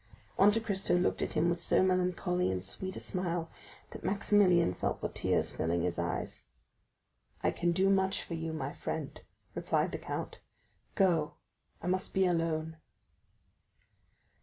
But Monte Cristo looked at him with so melancholy and sweet a smile, that Maximilian felt the tears filling his eyes. "I can do much for you, my friend," replied the count. "Go; I must be alone."